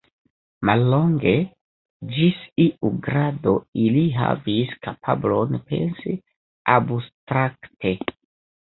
Mallonge, ĝis iu grado ili havis kapablon pensi abstrakte.